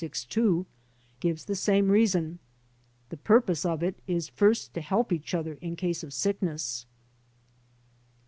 54709/462) gives the same reason: "The purpose of it is first to help each other in case of sickness."